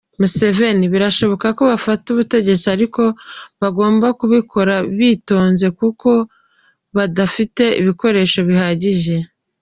Museveni: Birashoboka ko bafata ubutegetsi ariko bagomba kubikora bitonze kuko badafite ibikoresho bihagije.